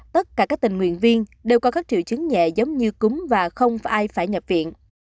tất cả các tình nguyện viên đều có các triệu chứng nhẹ giống như cúng và không ai phải nhập viện